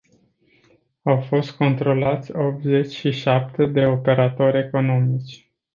Au fost controlați optzeci și șapte de operatori economici.